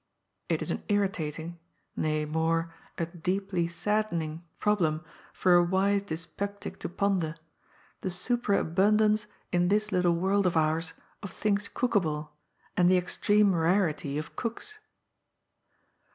It is an irritating — ^nay, more, a deeply saddening — ^problem for a wise dyspeptic to ponder : the superabundance in this THE NEW LIFE BEQINS. £7 little world of oars of tlungs oookable, and the extreme rarity of cooks.